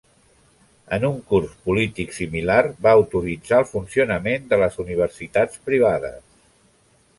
En un curs polític similar, va autoritzar el funcionament de les universitats privades.